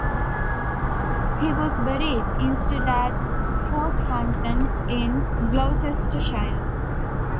He was buried instead at Forthampton in Gloucestershire.